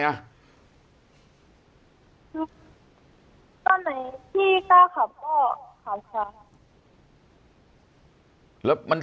เมื่อกี้กล้าขับก็ขาดขั้ม